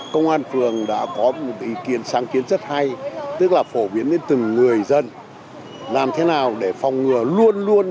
công an phường đã có một ý kiến sáng kiến rất hay tức là phổ biến đến từng người dân